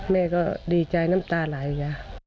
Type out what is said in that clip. แม่ก็ดีใจน้ำตาไหล